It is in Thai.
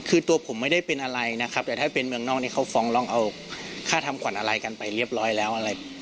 คือตัวผมไม่ได้เป็นอะไรนะครับแต่ถ้าเป็นเมืองนอกนี้เขาฟ้องร้องเอาค่าทำขวัญอะไรกันไปเรียบร้อยแล้วอะไร